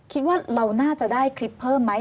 คิดว่าเราน่าจะได้คลิปเพิ่มไหม